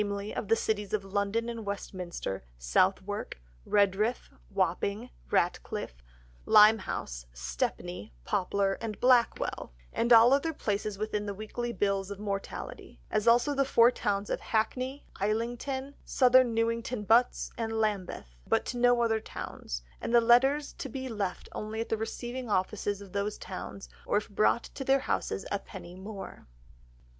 of the Cities of London and Westminster, Southwark, Redriff, Wapping, Ratcliff, Limehouse, Stepney, Poplar, and Blackwall, and all other places within the weekly Bills of Mortality, as also the four towns of Hackney, Islington, South Newington Butts, and Lambeth, but to no other towns, and the letters to be left only at the receiving offices of those towns, or if brought to their Houses a penny more."